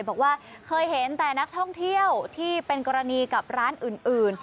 บอกว่าเคยเห็นแต่นักท่องเที่ยวที่เป็นกรณีกับร้านอื่น